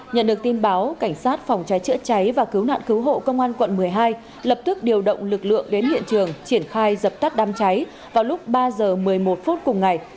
nhận được tin báo cảnh sát phòng cháy chữa cháy và cứu nạn cứu hộ công an quận một mươi hai lập tức điều động lực lượng đến hiện trường triển khai dập tắt đám cháy vào lúc ba h một mươi một phút cùng ngày